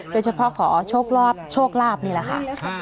โดยเฉพาะขอโชคลาบนี่แหละค่ะ